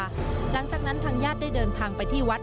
หลังจากนั้นทางญาติได้เดินทางไปที่วัด